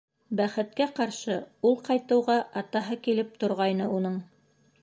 Бәхеткә ҡаршы, ул ҡайтыуға, атаһы килеп торғайны уның.